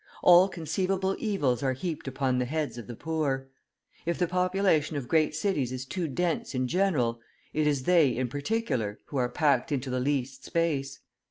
All conceivable evils are heaped upon the heads of the poor. If the population of great cities is too dense in general, it is they in particular who are packed into the least space.